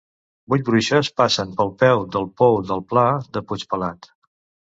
Vuit bruixes passen pel peu del pou del pla de Puig-pelat.